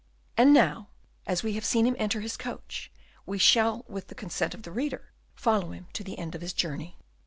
And now, as we have seen him enter his coach, we shall with the consent of the reader, follow him to the end of his journey.